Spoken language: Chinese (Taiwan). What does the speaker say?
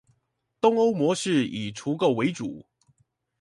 東歐模式以除垢為主